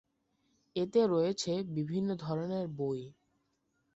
এতে রয়েছে বিভিন্ন ধরনের বই।